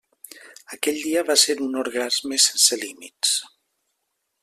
Aquell dia va ser un orgasme sense límits.